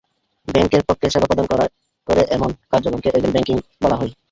ব্যাংকের পক্ষে সেবা প্রদান করে এমন কার্যক্রমকে এজেন্ট ব্যাংকিং বলা হয়।